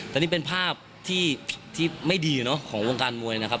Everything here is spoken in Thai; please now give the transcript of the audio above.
แต่นี่เป็นภาพที่ไม่ดีเนาะของวงการมวยนะครับ